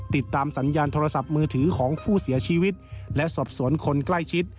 ติดตามสัญญาณโทรศัพท์มือถือของผู้เสียชีวิตและสอบสวนคนใกล้ชิด